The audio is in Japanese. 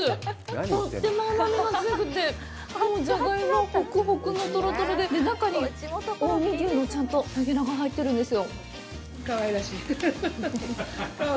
とっても甘みが強くて、もうジャガイモがホクホクのとろとろで、中に近江牛のちゃんとかけらが入ってるんですよ。